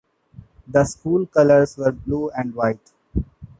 The school colors were blue and white.